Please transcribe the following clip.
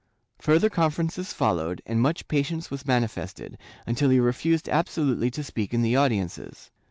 Further conferences followed, and much patience was manifested, until he refused absolutely to speak in the audiences.